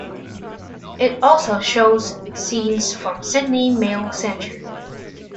It also shows scenes from Sydney mail centre.